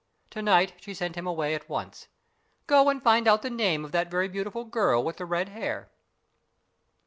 To night she sent him away at once. " Go and find out the name of that very beautiful girl with the red hair."